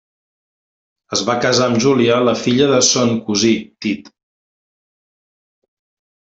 Es va casar amb Júlia la filla de son cosí Tit.